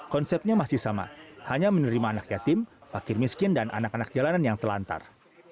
konsepnya masih sama hanya menerima anak yatim fakir miskin dan anak anak jalanan yang telantar